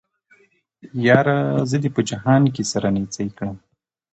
ياره زه دې په جهان کې سره نيڅۍ کړم